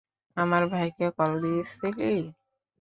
আমার ভাইকে কল দিছিলি?